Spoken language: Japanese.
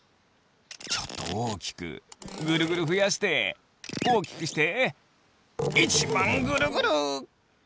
ちょっとおおきくぐるぐるふやしておおきくしていちばんぐるぐる！